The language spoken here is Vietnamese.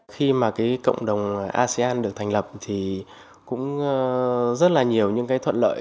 khi mà cộng đồng asean được thành lập thì cũng rất là nhiều những thuận lợi